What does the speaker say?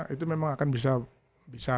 itu memang akan bisa